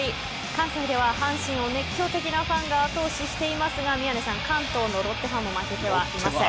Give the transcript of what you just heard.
関西では阪神を熱狂的なファンが後押ししていますが宮根さん、関東のロッテファンも負けてはいません。